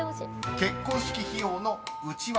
［結婚式費用の内訳